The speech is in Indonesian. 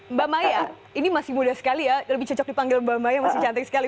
mbak maya ini masih muda sekali ya lebih cocok dipanggil mbak maya masih cantik sekali